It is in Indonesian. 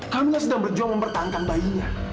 kamila sedang berjuang mempertahankan bayinya